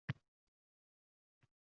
Samimiyat ila sizning Zeboyingiz.”